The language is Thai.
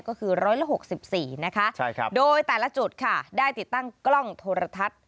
ก็คือ๑๖๔นะคะโดยแต่ละจุดค่ะได้ติดตั้งกล้องโทรทัศน์